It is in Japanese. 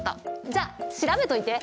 じゃあ調べといて！